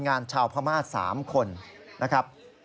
คนงานชาวพระม่าสามคนนะครับ